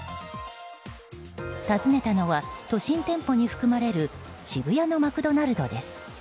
訪ねたのは都心店舗に含まれる渋谷のマクドナルドです。